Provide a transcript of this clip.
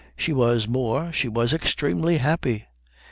She was more, she was extremely happy.